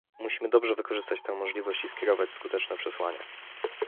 Musimy dobrze wykorzystać tę możliwość i skierować skuteczne przesłanie